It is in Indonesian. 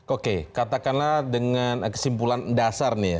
oke katakanlah dengan kesimpulan dasar